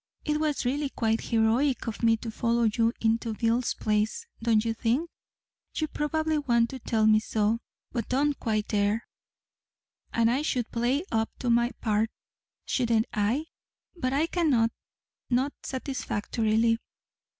"It was really quite heroic of me to follow you into Bill's place, don't you think? You probably want to tell me so, but don't quite dare. And I should play up to my part, shouldn't I? But I cannot not satisfactorily.